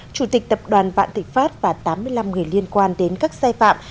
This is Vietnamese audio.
chủ tịch tập đoàn vạn thịnh pháp và tám mươi năm người liên quan đến các sai phạm